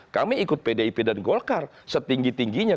kami ikut pdip dan golkar setinggi tingginya